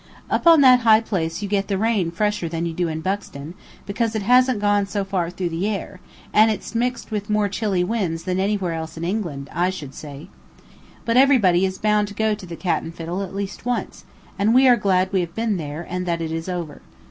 Up on that high place you get the rain fresher than you do in Buxton, because it hasn't gone so far through the air, and it's mixed with more chilly winds than anywhere else in England, I should say. But everybody is bound to go to the Cat and Fiddle at least once, and we are glad we have been there, and that it is over.